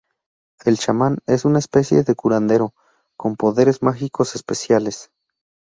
El chamán es una especie de curandero, con poderes mágicos especiales.